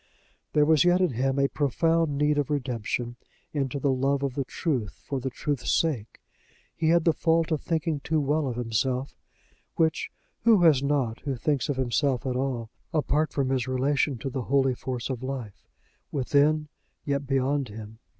There was yet in him a profound need of redemption into the love of the truth for the truth's sake. He had the fault of thinking too well of himself which who has not who thinks of himself at all, apart from his relation to the holy force of life, within yet beyond him?